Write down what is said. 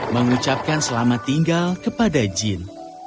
mengucapkan selamat tinggal kepada jin